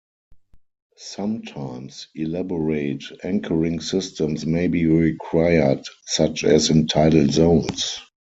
Sometimes elaborate anchoring systems may be required, such as in tidal zones.